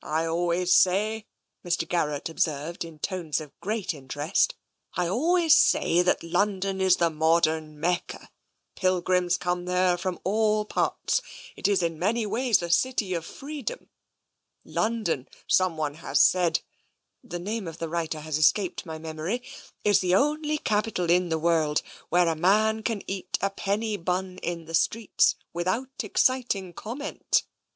I always say," Mr. Garrett observed, in tones of great interest, " I always say that London is the modem Mecca. Pilgrims come there from all parts. It is, in many ways, a city of freedom. London, someone has said — the name of the writer has es caped my memory — is the only capital in the world where a man can eat a penny bun in the streets without exciting comment.